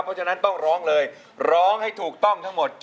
เพราะฉะนั้นต้องร้องเลยร้องให้ถูกต้องทั้งหมด